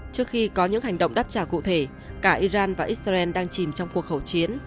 trước khi có những hành động đáp trả cụ thể cả iran và israel đang chìm trong cuộc khẩu chiến